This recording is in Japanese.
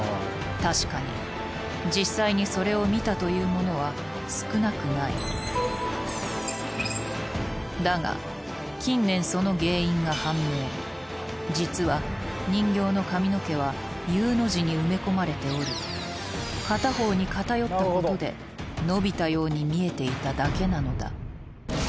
確かに実際にそれを見たという者は少なくないだが近年その原因が判明実は人形の髪の毛はＵの字に埋め込まれており片方に片寄ったことで伸びたように見えていただけなのだ